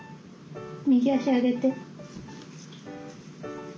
右足上げて。